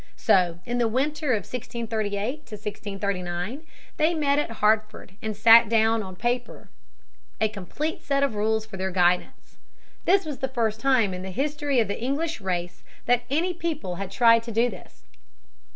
So in the winter of 1638 39 they met at Hartford and set down on paper a complete set of rules for their guidance. This was the first time in the history of the English race that any people had tried to do this.